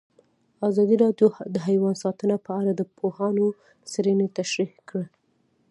ازادي راډیو د حیوان ساتنه په اړه د پوهانو څېړنې تشریح کړې.